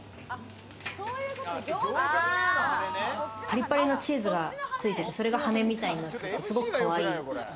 パリパリのチーズがついてて、それが羽みたいになっててすごくかわいい。